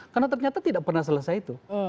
karena ternyata tidak pernah selesai itu